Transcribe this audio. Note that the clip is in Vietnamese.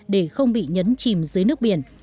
để không bị nhấn chìm dưới nước biển